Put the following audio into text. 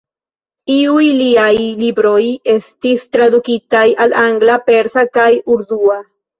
Iuj liaj libroj estis tradukitaj al angla, persa kaj urdua.